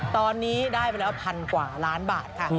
ตอนนี้ได้ไปแล้วพันกว่าล้านบาทค่ะ